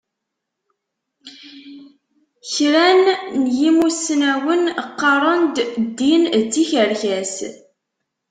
Kran n yimussnawen qqaṛen-d ddin d tikerkas.